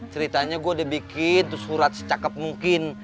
ceritanya gue udah bikin itu surat secakep mungkin